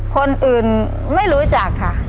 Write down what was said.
คนอื่นไม่รู้จักค่ะ